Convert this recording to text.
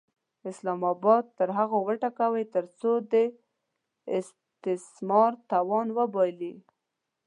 اسلام اباد تر هغو وټکوئ ترڅو د استثمار توان وبایلي.